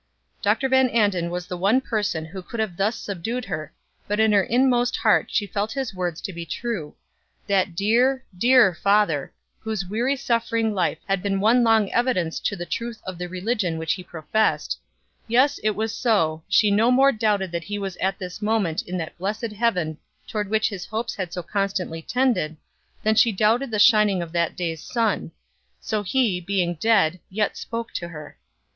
Dr. Van Anden was the one person who could have thus subdued her, but in her inmost heart she felt his words to be true; that dear, dear father, whose weary suffering life had been one long evidence to the truth of the religion which he professed yes, it was so, she no more doubted that he was at this moment in that blessed heaven toward which his hopes had so constantly tended, than she doubted the shining of that day's sun so he, being dead, yet spoke to her.